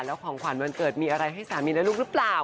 แล้วของขวัญวันเกิดมีอะไรให้สามีและลูกหรือเปล่า